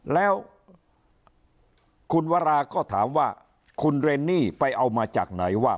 แล้วคุณวราก็ถามว่าคุณเรนนี่ไปเอามาจากไหนว่า